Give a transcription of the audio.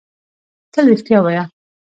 تل رېښتيا وايه